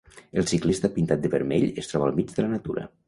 El ciclista pintat de vermell es troba al mig de la natura.